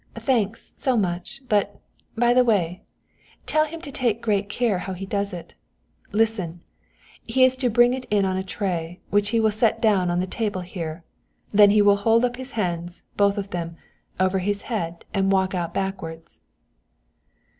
"Thanks, so much but, by the way, tell him to take great care how he does it. Listen. He is to bring it in on a tray which he will set down on the little table here. Then he will hold up his hands, both of them, over his head and walk out backwards."